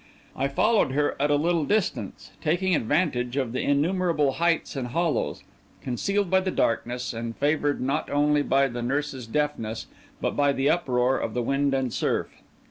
I followed her at a little distance, taking advantage of the innumerable heights and hollows, concealed by the darkness, and favoured not only by the nurse's deafness, but by the uproar of the wind and surf.